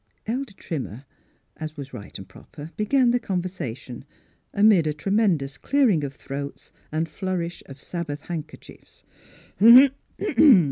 Elder Trimmer, as was right and proper, began the conversation, amid a tre mendous clearing of throats and flourish of Sabbath handkerchiefs.